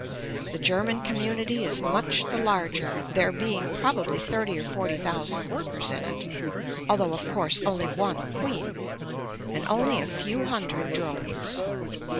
The German community is much the larger, there being probably thirty or forty thousand workers in it, although of course only one queen, and only a few hundred drones.